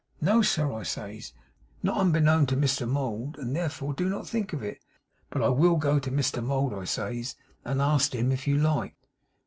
"No, sir," I says, "not unbeknown to Mr Mould, and therefore do not think it. But I will go to Mr Mould," I says, "and ast him, if you like."